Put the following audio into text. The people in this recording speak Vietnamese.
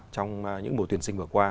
trong những mùa tuyển sinh vừa qua